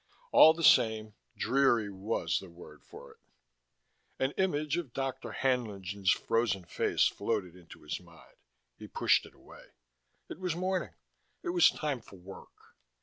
All the same, "dreary" was the word for it. (An image of Dr. Haenlingen's frozen face floated into his mind. He pushed it away. It was morning. It was time for work.)